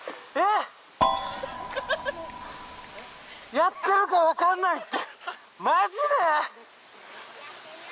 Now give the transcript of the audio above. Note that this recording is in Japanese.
やってるかわかんないって。